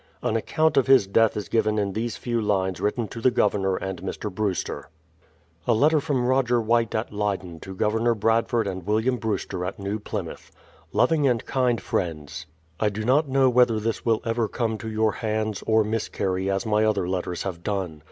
An account of his death is given in these few lines written to the Governor and Mr. Brewster. A letter from Roger White at Leyden to Governor Bradford and William Brewster at Neiv Plymouth: Loving and kind Friends, I do not know whether this will ever come to your hands, or miscarry as my other letters have done.